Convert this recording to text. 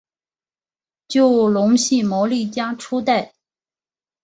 就隆系毛利家初代。